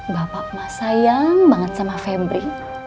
bapak mah sayang banget sama fembri